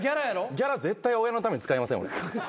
ギャラ絶対親のために使いません。